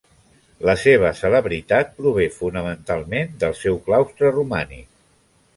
La seva celebritat prové fonamentalment del seu claustre romànic.